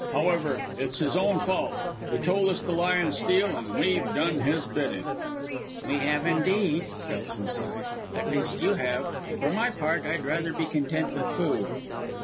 However, it's his own fault. He told us to lie and steal, and we've done his bidding." "We have indeed!" Kelson sighed; "at least you have. For my part I'd rather be content with food!"